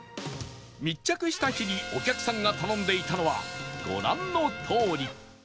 密着した日にお客さんが頼んでいたのはご覧のとおり